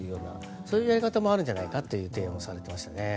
そういうやり方もあるんじゃないかと言っていましたね。